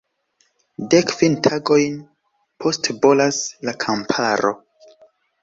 Dek kvin tagojn poste bolas la kamparo.